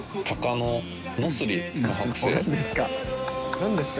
何ですか？